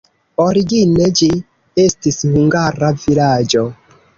Origine ĝi estis hungara vilaĝo.